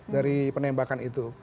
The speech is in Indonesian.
dari penembakan itu